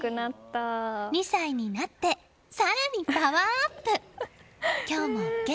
２歳になって、更にパワーアップ。